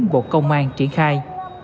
bộ công an triển khai